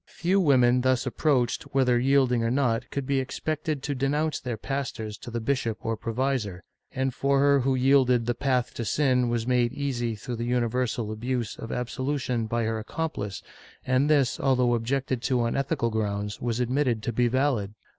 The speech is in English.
^ Few women thus approached, whether yielding or not, could be expected to denounce their pastors to the bishop or provisor, and for her who yielded the path to sin was made easy through the universal abuse of absolution by her accomplice, and this, although objected to on ethical grounds, was admitted to be valid.